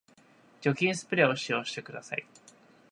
除菌スプレーを使用してください